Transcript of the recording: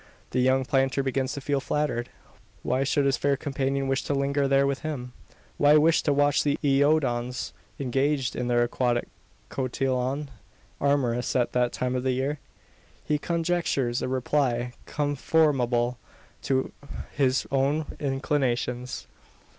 The young planter begins to feel flattered. Why should his fair companion wish to linger there with him? Why wish to watch the iodons, engaged in their aquatic cotillon amorous at that time of the year? He conjectures a reply conformable to his own inclinations.